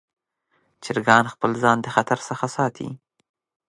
چرګان خپل ځان د خطر څخه ساتي.